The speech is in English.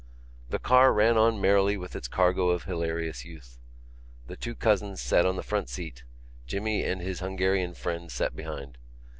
The car ran on merrily with its cargo of hilarious youth. The two cousins sat on the front seat; Jimmy and his Hungarian friend sat behind.